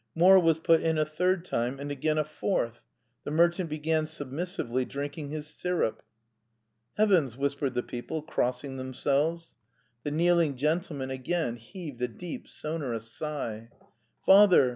More was put in a third time, and again a fourth. The merchant began submissively drinking his syrup. "Heavens!" whispered the people, crossing themselves. The kneeling gentleman again heaved a deep, sonorous sigh. "Father!